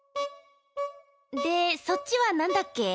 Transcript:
でそっちはなんだっけ？